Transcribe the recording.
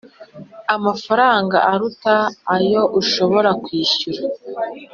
amafaranga aruta ayo ushobora kwishyura